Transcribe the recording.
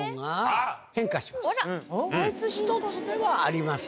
１つではありません。